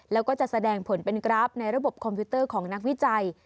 แล้วก็จะแสดงผลเป็นกราฟในระบบคอมพิวเตอร์ของนักวิจัย